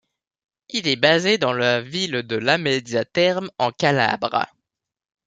Il est basé dans la ville de Lamezia Terme en Calabre.